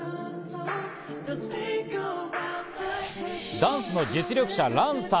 ダンスの実力者、ランさん。